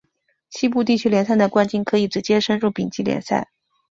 西部地区联赛的冠军可以直接升入丙级联赛。